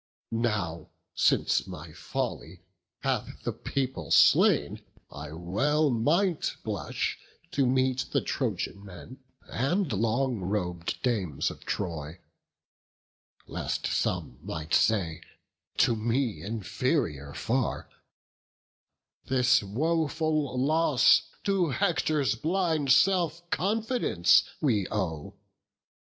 Now, since my folly hath the people slain, I well might blush to meet the Trojan men, And long rob'd dames of Troy, lest some might say, To me inferior far, 'This woful loss To Hector's blind self confidence we owe.